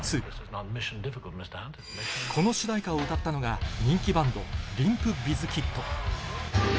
この主題歌を歌ったのが人気バンド「リンプ・ビズキット」